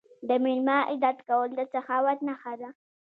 د میلمه عزت کول د سخاوت نښه ده.